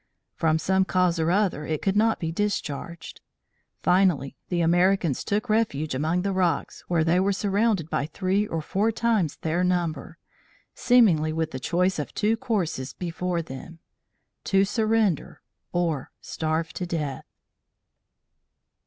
From some cause or other it could not be discharged. Finally, the Americans took refuge among the rocks, where they were surrounded by three or four times their number, seemingly with the choice of two courses before them to surrender or starve to death.